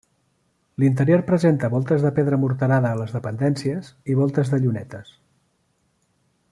L'interior presenta voltes de pedra morterada a les dependències i voltes de llunetes.